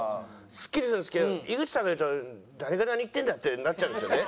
スッキリするんですけど井口さんが言うと誰が何言ってんだってなっちゃうんですよね。